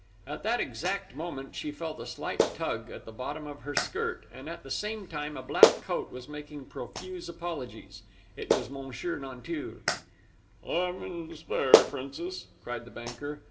At that exact moment she felt a slight tug at the bottom of her skirt, and at the same time a black coat was making profuse apologies: it was Monsieur Nanteuil: "I am in despair, Princess!" cried the banker.